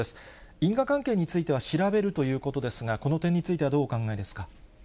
因果関係については調べるということですが、この点についてはどうお考えですか。